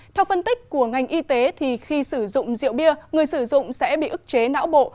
theo phân tích của ngành y tế khi sử dụng rượu bia người sử dụng sẽ bị ức chế não bộ